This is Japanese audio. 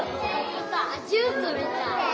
ジュースみたい。